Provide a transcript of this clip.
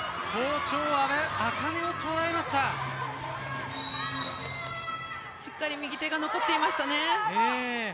しっかり右手が残っていましたね。